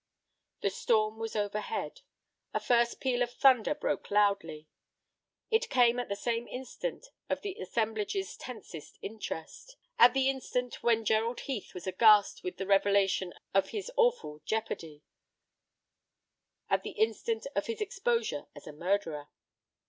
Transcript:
The storm was overhead. A first peal of thunder broke loudly. It came at the instant of the assemblage's tensest interest at the instant when Gerald Heath was aghast with the revelation of his awful jeopardy at the instant of his exposure as a murderer.